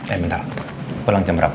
eh bentar pulang jam berapa